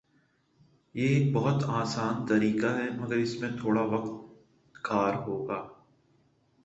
یہ ایک بہت آسان طریقہ ہے مگر اس میں تھوڑا وقت کار ہوگا